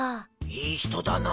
いい人だな。